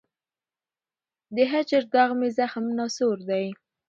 د هجر داغ مي زخم ناصور دی